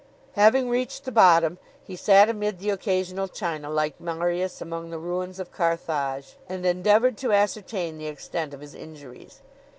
Having reached the bottom, he sat amid the occasional china, like Marius among the ruins of Carthage, and endeavored to ascertain the extent of his injuries.